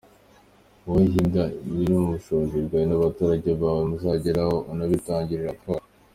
Wowe higa ibiri mu bushobozi bwawe n’abaturage bawe muzageraho, unabitangire raporo.